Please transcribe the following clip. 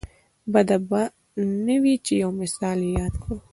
بده به نه وي چې یو مثال یې یاد کړو.